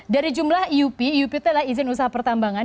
dari jumlah iup iup itu adalah izin usaha pertambangan